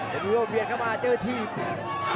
แฟนวิโว่เบียนเข้ามาเจอทีม